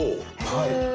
はい。